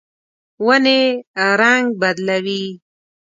ونې رڼګ بدلوي